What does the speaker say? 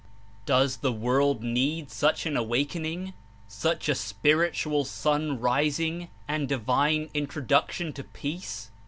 Does the world need such an awakening, such a Spiritual Sun rising and divine introduction to peace?